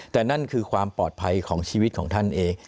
แต่นั่นคือความปลอดภัยของชีวิตของท่านเอง